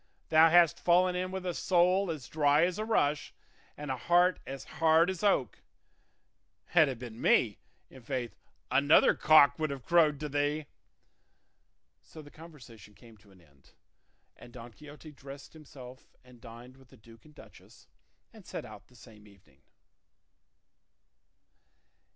Thou hast fallen in with a soul as dry as a rush and a heart as hard as oak; had it been me, i'faith 'another cock would have crowed to thee.'" So the conversation came to an end, and Don Quixote dressed himself and dined with the duke and duchess, and set out the same evening.